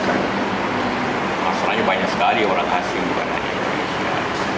untuk mengeluarkan masalahnya banyak sekali orang asing di barang indonesia